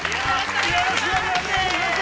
よろしくお願いします。